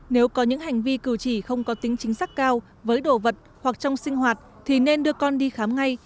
nếu có những hành vi cử chỉ không có tính chính xác cao với đồ vật hoặc trong sinh hoạt thì nên đưa con đi khám ngay